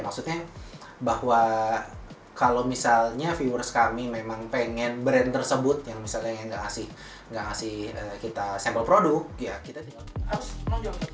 maksudnya bahwa kalau misalnya viewers kami memang pengen brand tersebut yang misalnya nggak ngasih kita sampel produk ya kita tinggal